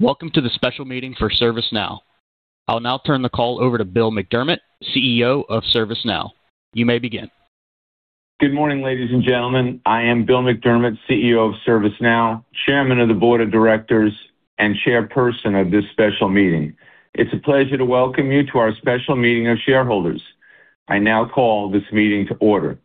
Welcome to the Special Meeting for ServiceNow. I'll now turn the call over to Bill McDermott, CEO of ServiceNow. You may begin. Good morning, ladies and gentlemen. I am Bill McDermott, CEO of ServiceNow, Chairman of the Board of Directors, and Chairperson of this special meeting. It's a pleasure to welcome you to our special meeting of shareholders. I now call this meeting to order.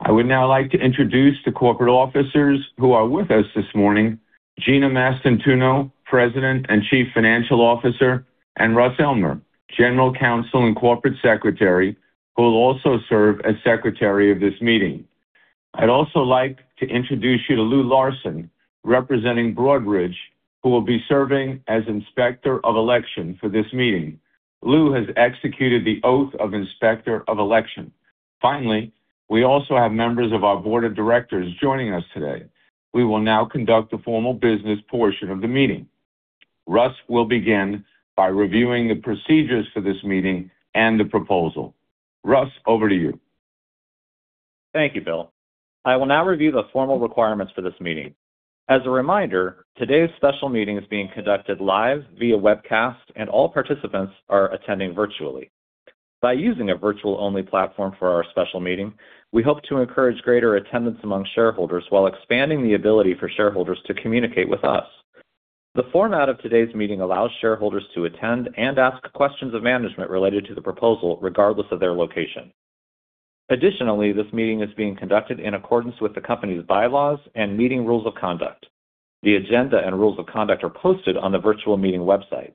I would now like to introduce the corporate officers who are with us this morning: Gina Mastantuono, President and Chief Financial Officer, and Russ Elmer, General Counsel and Corporate Secretary, who will also serve as Secretary of this meeting. I'd also like to introduce you to Lou Larsen, representing Broadridge, who will be serving as Inspector of Election for this meeting. Lou has executed the oath of Inspector of Election. Finally, we also have members of our Board of Directors joining us today. We will now conduct the formal business portion of the meeting. Russ will begin by reviewing the procedures for this meeting and the proposal. Russ, over to you. Thank you, Bill. I will now review the formal requirements for this meeting. As a reminder, today's special meeting is being conducted live via webcast, and all participants are attending virtually. By using a virtual-only platform for our special meeting, we hope to encourage greater attendance among shareholders while expanding the ability for shareholders to communicate with us. The format of today's meeting allows shareholders to attend and ask questions of management related to the proposal, regardless of their location. Additionally, this meeting is being conducted in accordance with the company's bylaws and meeting rules of conduct. The agenda and rules of conduct are posted on the virtual meeting website.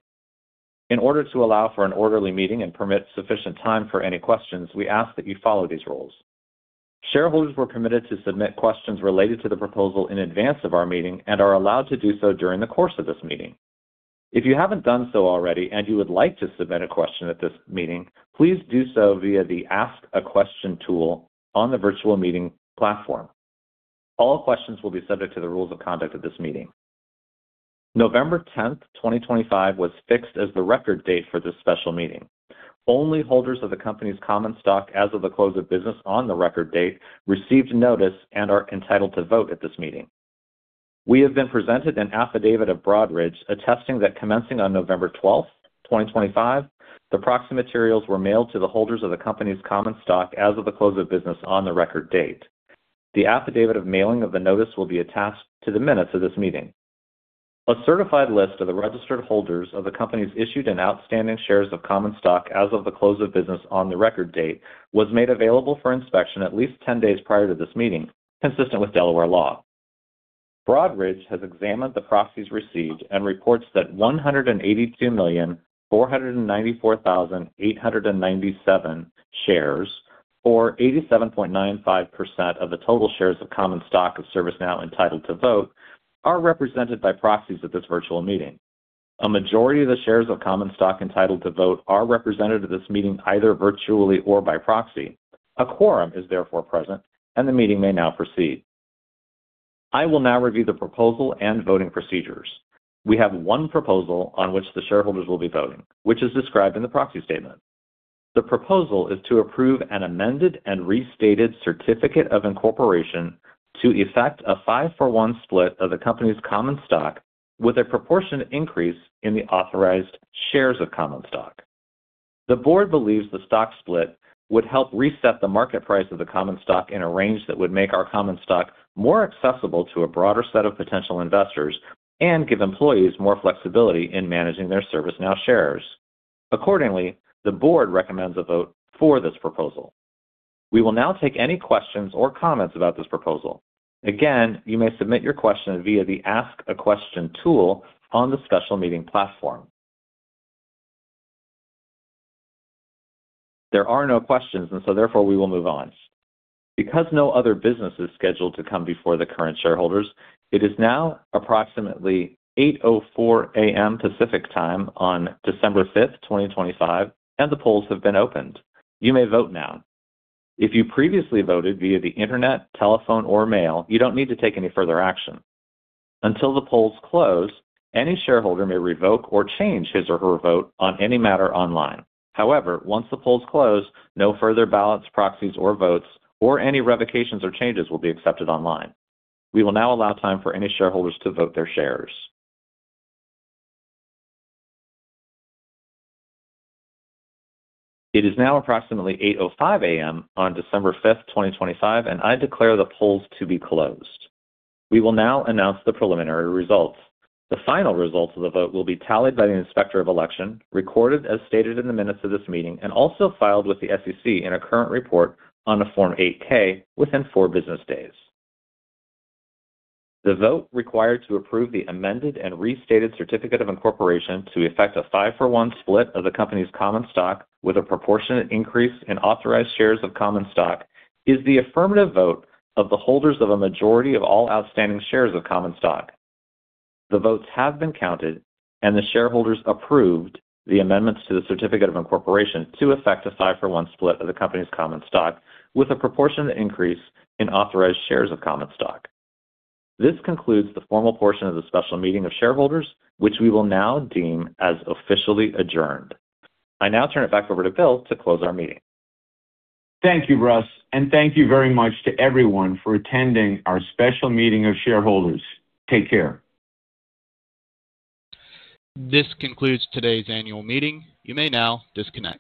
In order to allow for an orderly meeting and permit sufficient time for any questions, we ask that you follow these rules. Shareholders were permitted to submit questions related to the proposal in advance of our meeting and are allowed to do so during the course of this meeting. If you haven't done so already and you would like to submit a question at this meeting, please do so via the Ask a Question tool on the virtual meeting platform. All questions will be subject to the rules of conduct of this meeting. November 10th, 2025, was fixed as the record date for this special meeting. Only holders of the company's common stock as of the close of business on the record date received notice and are entitled to vote at this meeting. We have been presented an affidavit of Broadridge attesting that commencing on November 12th, 2025, the proxy materials were mailed to the holders of the company's common stock as of the close of business on the record date. The affidavit of mailing of the notice will be attached to the minutes of this meeting. A certified list of the registered holders of the company's issued and outstanding shares of common stock as of the close of business on the record date was made available for inspection at least 10 days prior to this meeting, consistent with Delaware law. Broadridge has examined the proxies received and reports that 182,494,897 shares, or 87.95% of the total shares of common stock of ServiceNow entitled to vote, are represented by proxies at this virtual meeting. A majority of the shares of common stock entitled to vote are represented at this meeting either virtually or by proxy. A quorum is therefore present, and the meeting may now proceed. I will now review the proposal and voting procedures. We have one proposal on which the shareholders will be voting, which is described in the proxy statement. The proposal is to approve an Amended and Restated Certificate of Incorporation to effect a 5:1 split of the company's common stock with a proportionate increase in the authorized shares of common stock. The board believes the stock split would help reset the market price of the common stock in a range that would make our common stock more accessible to a broader set of potential investors and give employees more flexibility in managing their ServiceNow shares. Accordingly, the board recommends a vote for this proposal. We will now take any questions or comments about this proposal. Again, you may submit your question via the Ask a Question tool on the special meeting platform. There are no questions, and so therefore we will move on. Because no other business is scheduled to come before the current shareholders, it is now approximately 8:04 A.M. Pacific Time on December 5th, 2025, and the polls have been opened. You may vote now. If you previously voted via the internet, telephone, or mail, you don't need to take any further action. Until the polls close, any shareholder may revoke or change his or her vote on any matter online. However, once the polls close, no further ballots, proxies, or votes, or any revocations or changes will be accepted online. We will now allow time for any shareholders to vote their shares. It is now approximately 8:05 A.M. on December 5th, 2025, and I declare the polls to be closed. We will now announce the preliminary results. The final results of the vote will be tallied by the Inspector of Election, recorded as stated in the minutes of this meeting, and also filed with the SEC in a current report on a Form 8-K within four business days. The vote required to approve the amended and restated Certificate of Incorporation to effect a 5:1 split of the company's common stock with a proportionate increase in authorized shares of common stock is the affirmative vote of the holders of a majority of all outstanding shares of common stock. The votes have been counted, and the shareholders approved the amendments to the Certificate of Incorporation to effect a 5:1 split of the company's common stock with a proportionate increase in authorized shares of common stock. This concludes the formal portion of the special meeting of shareholders, which we will now deem as officially adjourned. I now turn it back over to Bill to close our meeting. Thank you, Russ, and thank you very much to everyone for attending our special meeting of shareholders. Take care. This concludes today's annual meeting. You may now disconnect.